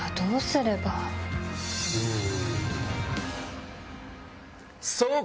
うん。